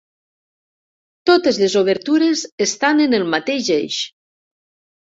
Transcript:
Totes les obertures estan en el mateix eix.